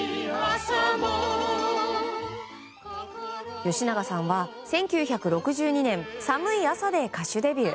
吉永さんは１９６２年「寒い朝」で歌手デビュー。